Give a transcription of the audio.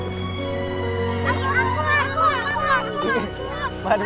aku aku aku aku aku